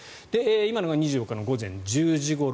今のが２４日の午前１０時ごろ。